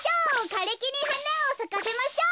かれきにはなをさかせましょう！」。